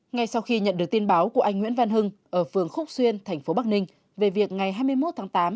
ngay sau khi nhận được tin báo của anh nguyễn văn hưng ở phường khúc xuyên thành phố bắc ninh về việc ngày hai mươi một tháng tám